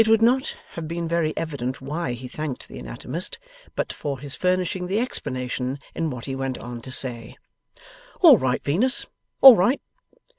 It would not have been very evident why he thanked the anatomist, but for his furnishing the explanation in what he went on to say. 'All right, Venus, all right.